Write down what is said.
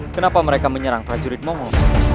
kenapa mereka menyerang prajurit mongo